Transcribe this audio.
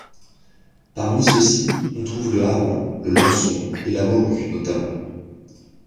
Parmi ceux-ci, on trouve le hareng, le lançon et la morue, notamment.